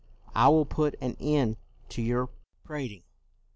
I will put an end to your prating."